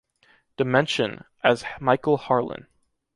Dimension"" as Michael Harlan.